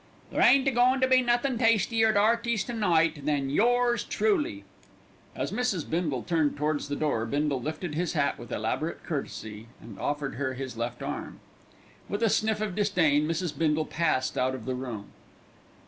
"There ain't a goin' to be nothin' tastier at 'Earty's to night than yours truly." As Mrs. Bindle turned towards the door Bindle lifted his hat with elaborate courtesy and offered her his left arm. With a sniff of disdain Mrs. Bindle passed out of the room.